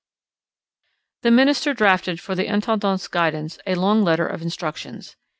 The minister drafted for the intendant's guidance a long letter of instructions.